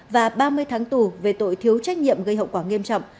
và ba mươi tháng tù về tội thiếu trách nhiệm gây hậu quả nghiêm trọng